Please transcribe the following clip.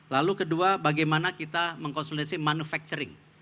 lalu kedua bagaimana kita mengkonsolidasi manufacturing